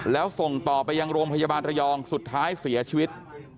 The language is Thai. แล้วส่งต่อไปยังโรงพยาบาลระยองสุดท้ายเสียชีวิต